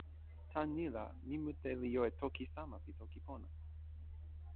tan ni la, mi mute li jo e toki sama pi toki pona!